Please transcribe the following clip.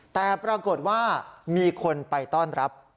แต่ปรากฏว่ามีคนไปต้อนรับ